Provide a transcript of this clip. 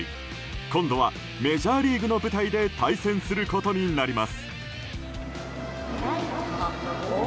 今度は、メジャーリーグの舞台で対戦することになります。